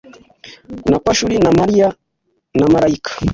na Pashuri na Amariya na Malikiya